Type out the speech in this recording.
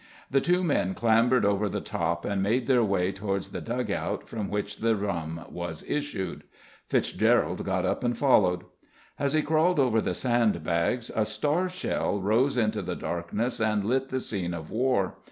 The two men clambered over the top and made their way towards the dug out from which the rum was issued. Fitzgerald got up and followed. As he crawled over the sandbags a starshell rose into the darkness and lit the scene of war.